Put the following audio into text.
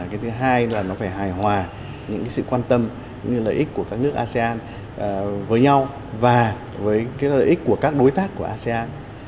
cái thứ hai là nó phải hài hòa những sự quan tâm như lợi ích của các nước asean với nhau và với cái lợi ích của các đối tác của asean